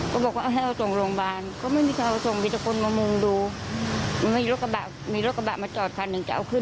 ด้านหลังจากโรงงาที่เตะแรงละคร